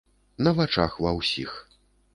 На вачах ва ўсіх.